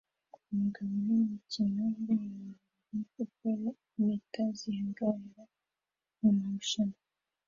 Umugabo wimikino ngororamubiri ukora impeta zihagarara mumarushanwa